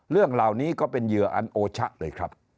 เรื่องเหล่านี้ก็เป็นเหยื่ออันโอชะเลยครับ